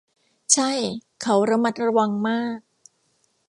ใช่ เขาระมัดระวังมาก